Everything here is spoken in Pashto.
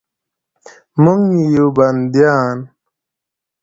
موږ یو بندیان